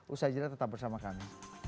usai jeda tetap bersama kami